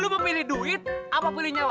lu mau pilih duit apa pilih nyawa